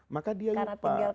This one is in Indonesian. maka dia lupa